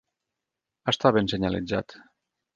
Està ben senyalitzat.